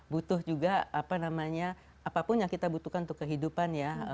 butuh juga apa namanya apapun yang kita butuhkan untuk kehidupan ya